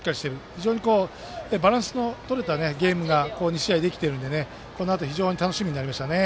非常にバランスのとれたゲームが２試合できているのでこのあと非常に楽しみになりましたね。